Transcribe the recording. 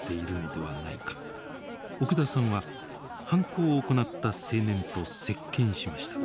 奥田さんは犯行を行った青年と接見しました。